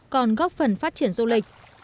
còn góp phần phát triển du lịch